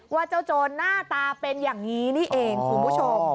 ว่าเจ้าโจรหน้าตาเป็นอย่างนี้นี่เองคุณผู้ชม